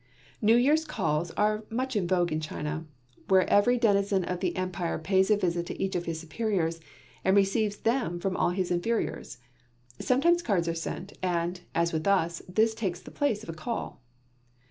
New Year's calls are much in vogue in China, where every denizen of the Empire pays a visit to each of his superiors, and receives them from all of his inferiors. Sometimes cards are sent, and, as with us, this takes the place of a call.